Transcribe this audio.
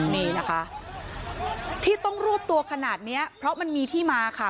นี่นะคะที่ต้องรวบตัวขนาดนี้เพราะมันมีที่มาค่ะ